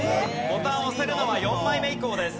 ボタンを押せるのは４枚目以降です。